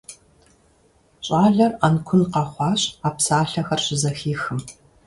ЩӀалэр Ӏэнкун къэхъуащ, а псалъэхэр щызэхихым.